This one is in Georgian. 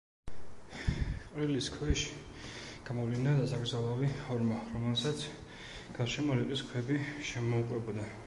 ყრილის ქვეშ გამოვლინდა დასაკრძალავი ორმო, რომელსაც გარშემო რიყის ქვები შემოუყვებოდა.